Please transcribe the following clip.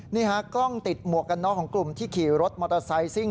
นี่ฮะกล้องติดหมวกกันน็อกของกลุ่มที่ขี่รถมอเตอร์ไซค์ซิ่ง